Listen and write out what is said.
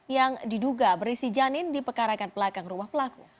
yang diduga berisi janin di pekarakan belakang rumah pelaku